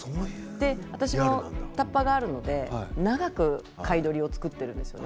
私も、たっぱがあるので長くかいどりを作っているんです。